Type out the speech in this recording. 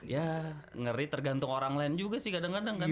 ya ngeri tergantung orang lain juga sih kadang kadang kan